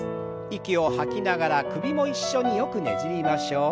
息を吐きながら首も一緒によくねじりましょう。